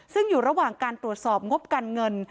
ซึ่งอยู่ระหว่างการตรวจสอบงบการเงิน